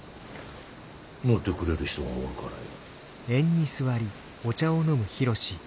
乗ってくれる人がおるからよ。